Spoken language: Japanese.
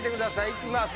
いきます。